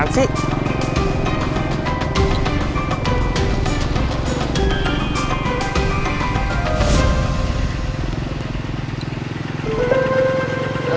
sam tunggu sam